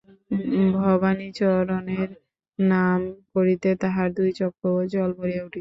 ভবানীচরণের নাম করিতে তাঁহার দুই চক্ষে জল ভরিয়া উঠিত।